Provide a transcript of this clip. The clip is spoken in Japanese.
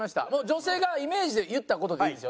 女性がイメージで言った事でいいですよね？